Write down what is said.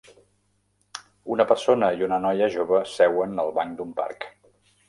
Una persona i una noia jove seuen al banc d'un parc.